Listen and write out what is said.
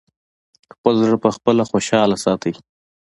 خپل زړه پخپله خوشاله ساتی!